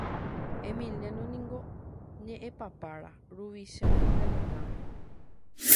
Emiliano niko ñeʼẽpapára ruvicha ñane retãme.